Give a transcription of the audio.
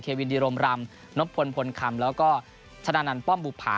เควินดีรมรัมนพลพลคำแล้วก็ถนานันป้อมบุพา